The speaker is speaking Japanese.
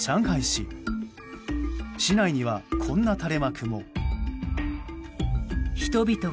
市内には、こんな垂れ幕も。